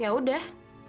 ya udah ibu